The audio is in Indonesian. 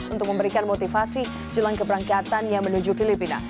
untuk memberikan motivasi jelang keberangkatan yang menuju filipina